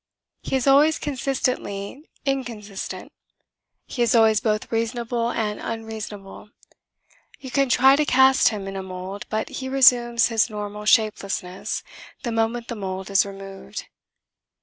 He is always consistently inconsistent; he is always both reasonable and unreasonable. You can try to cast him in a mould, but he resumes his normal shapelessness the moment the mould is removed.